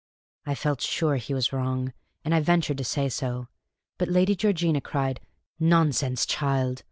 I felt sure he was wrong, and I ventured to say so. But Lady Georgina cried, " Nonsense, child